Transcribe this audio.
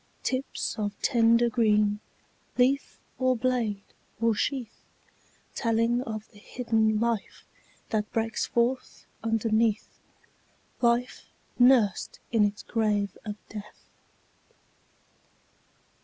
Tips of tender green, Leaf, or blade, or sheath; Telling of the hidden life That breaks forth underneath, Life nursed in its grave by Death.